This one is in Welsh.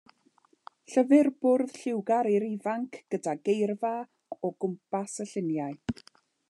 Llyfr bwrdd lliwgar i'r ifanc gyda geirfa o gwmpas y lluniau.